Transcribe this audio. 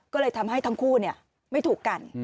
ก็เลยทำให้ทั้งคู่ไม่ถูกกัน